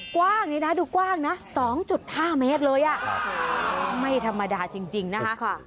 โอ๊ววววววววดูกว้างเนี่ยนะ๒๕เมตรเลยไม่ธรรมดาจริงนะครับ